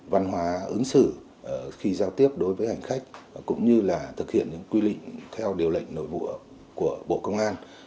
văn hóa ứng xử khi giao tiếp đối với hành khách cũng như là thực hiện những quy định theo điều lệnh nội vụ của bộ công an